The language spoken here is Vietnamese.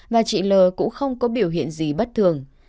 và chị l cũng không có biểu hiện gì bất thường